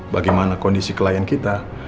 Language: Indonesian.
bagaimana kondisi klien kita